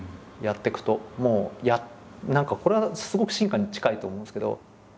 もう何かこれはすごく進化に近いと思うんですけど。